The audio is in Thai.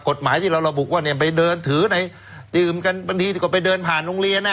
กฎหมายที่เราระบุว่าเนี่ยไปเดินถือในดื่มกันบางทีก็ไปเดินผ่านโรงเรียน